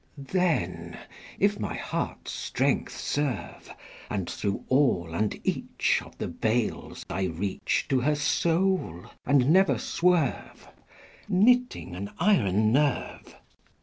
Then, if my heart's strength serve, And through all and each Of the veils I reach To her soul and never swerve, Knitting an iron nerve XI.